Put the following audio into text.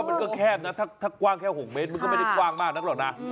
มันก็แคบนะถ้ากว้างแค่๖เมตรมันก็ไม่ได้กว้างมากนักหรอกนะ